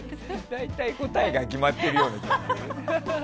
大体、答えが決まっているような。